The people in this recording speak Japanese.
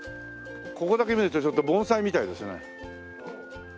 ここだけ見るとちょっと盆栽みたいですね。